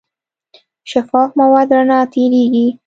شفاف مواد رڼا تېرېږي.